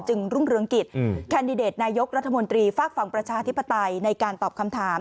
รุ่งเรืองกิจแคนดิเดตนายกรัฐมนตรีฝากฝั่งประชาธิปไตยในการตอบคำถาม